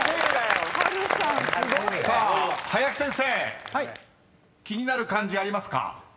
［林先生気になる漢字ありますか？］